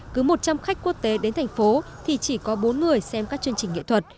cứ một trăm linh khách quốc tế đến thành phố thì chỉ có bốn người xem các chương trình nghệ thuật